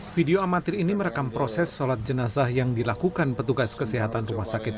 video amatir ini merekam proses sholat jenazah yang dilakukan petugas kesehatan rumah sakit